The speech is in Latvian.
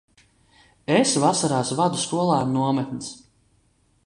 Es vasarās vadu skolēnu nometnes.